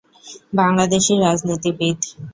বাংলাদেশী রাজনীতিবিদ।